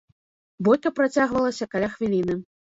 Бойка працягвалася каля хвіліны.